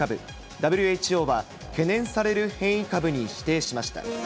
ＷＨＯは、懸念される変異株に指定しました。